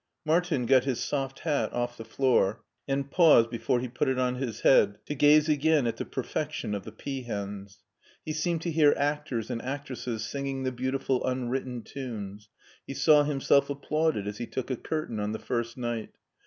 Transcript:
Martin got his soft hat off the floor and paused 17 i8 MARTIN SCHULER before he put it on his head to gaze again at the perfec tion of the peahens. He seemed to hear actors and actresses singing the beautiful unwritten tunes. He saw himself applauded as he took a curtain on the first night.